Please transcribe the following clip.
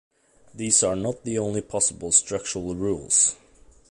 These are not the only possible structural rules.